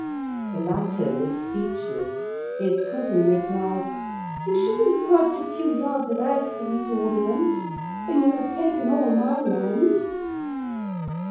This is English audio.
The latter was speechless; his cousin replied—"You shouldn't grudge a few yards of earth for me to ornament, when you have taken all my land!"